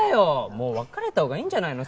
もう別れた方がいいんじゃないの？